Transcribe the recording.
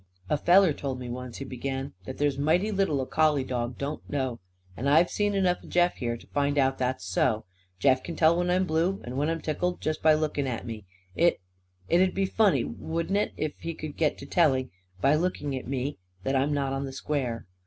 "A feller told me once," he began, "that there's mighty little a collie dog don't know. And I've seen enough of Jeff, here, to find out that's so. Jeff c'n tell when I'm blue and when I'm tickled, just by looking at me. It it'd be funny, wouldn't it, if he c'd get to telling, by looking at me, that I'm not on the square?